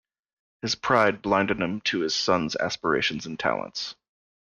His pride blinded him to his son's aspirations and talents.